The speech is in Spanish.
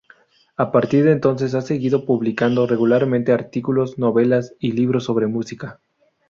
A partir de entonces ha seguido publicando regularmente artículos, novelas y libros sobre música.